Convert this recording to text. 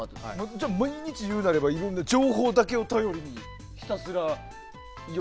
じゃあ、毎日いろんな情報だけを頼りにひたすら。